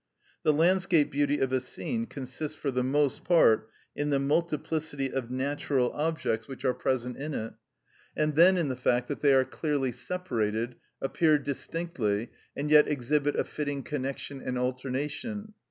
The landscape beauty of a scene consists, for the most part, in the multiplicity of natural objects which are present in it, and then in the fact that they are clearly separated, appear distinctly, and yet exhibit a fitting connection and alternation.